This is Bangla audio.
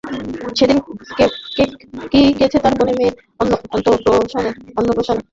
সেদিন কেতকী গেছে তার বোনের মেয়ের অন্নপ্রাশনে।